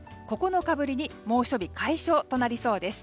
９日ぶりに猛暑日解消となりそうです。